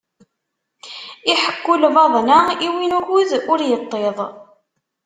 Iḥekku lbaḍna i win ukud ur iṭṭiḍ.